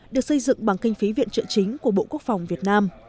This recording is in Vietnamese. được xây dựng bằng kinh phí viện trợ chính của bộ quốc phòng việt nam